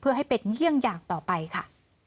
เพื่อให้เป็นเยี่ยงอย่างต่อไปค่ะ